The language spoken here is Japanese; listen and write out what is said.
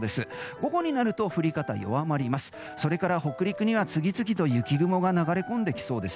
午後になると降り方、弱まります。